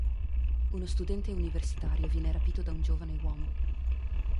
Uno studente universitario viene rapito da un giovane uomo.